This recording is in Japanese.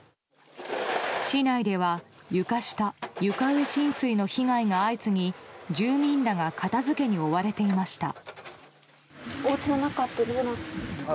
市内では床下・床上浸水の被害が相次ぎ住民らが片付けに追われていました。